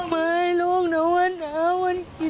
มันหิวไหมลูกคร้าบ